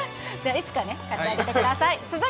いつかね、買ってあげてください。